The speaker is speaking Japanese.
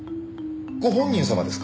ご本人様ですか？